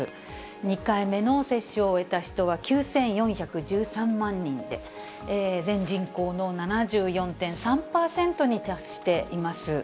２回目の接種を終えた人は９４１３万人で、全人口の７４．３％に達しています。